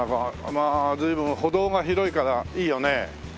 まあ随分歩道が広いからいいよね。